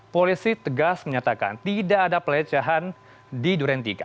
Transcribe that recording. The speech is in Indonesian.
polisi tegas menyatakan tidak ada pelecehan di duren tiga